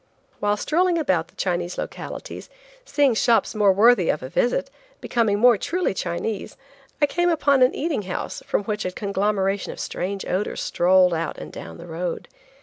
While strolling about the Chinese localities, seeing shops more worthy a visit, being more truly Chinese, I came upon an eating house, from which a conglomeration of strange odors strolled out and down the road.